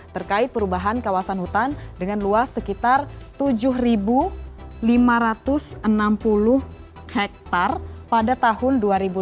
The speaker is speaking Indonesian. terkait perubahan kawasan hutan dengan luas sekitar tujuh lima ratus enam puluh hektare pada tahun dua ribu sembilan belas